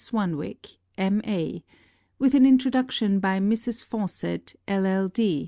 SWANWICK, M.A. With an Introduction by Mrs. Fawcett, LL.D.